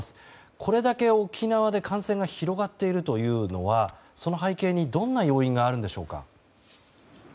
これだけ沖縄で感染が広がっているというのはその背景に、どんな要因があるんでしょうか。